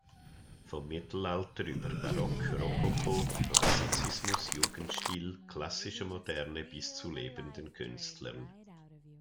Vom Mittelalter über Barock, Rokoko, Klassizismus, Jugendstil, Klassische Moderne bis zu lebenden Künstlern.